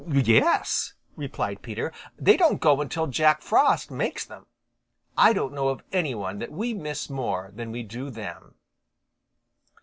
"Yes," replied Peter. "They don't go until Jack Frost makes them. I don't know of any one that we miss more than we do them."